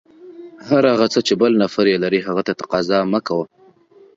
هر هغه څه چې بل نفر یې لري، هغه ته تقاضا مه کوه.